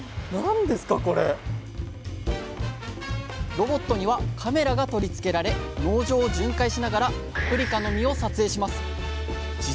ロボットにはカメラが取り付けられ農場を巡回しながらパプリカの実を撮影します。